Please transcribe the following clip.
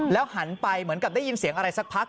หันไปเหมือนกับได้ยินเสียงอะไรสักพัก